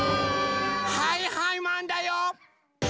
はいはいマンだよ！